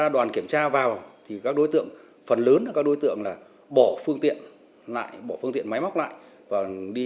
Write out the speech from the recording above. đoàn kiểm tra vào phần lớn là các đối tượng bỏ phương tiện máy móc lại